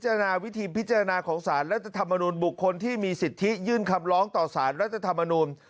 จนาวิธีพิจารณาของสารรัฐธรรมนุนบุคคลที่มีสิทธิยื่นคำร้องต่อสารรัฐธรรมนุน